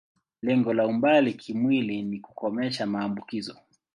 Lengo la umbali kimwili ni kukomesha maambukizo.